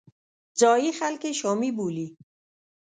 ځایي خلک یې شامي بولي.